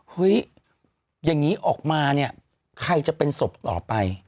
เฮ้ยอย่างนี้ออกมาเนี่ยใครจะเป็นศพต่อไป